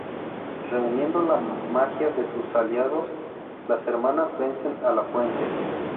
Reuniendo la magia de sus aliados, las hermanas vencen a La Fuente.